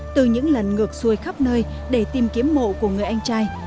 từ những lần ngược xuôi khắp nơi để tìm kiếm mộ của người anh trai